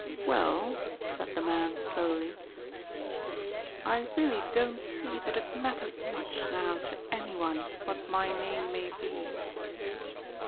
"Well," said the man slowly, "I really don't see that it matters much now to anyone what my name may be."